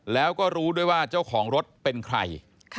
แล้วก็รู้ด้วยว่าเจ้าของรถเป็นใคร